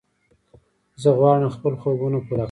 زه غواړم خپل خوبونه پوره کړم.